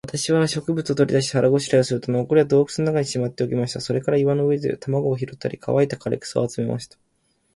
私は食物を取り出して、腹ごしらえをすると、残りは洞穴の中にしまっておきました。それから岩の上で卵を拾ったり、乾いた枯草を集めました。